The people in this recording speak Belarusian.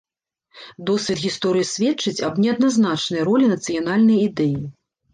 Досвед гісторыі сведчыць аб неадназначнай ролі нацыянальная ідэі.